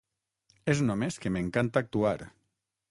És només que m'encanta actuar.